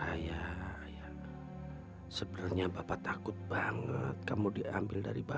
ayah ya sebenarnya bapak takut banget kamu diambil dari bapak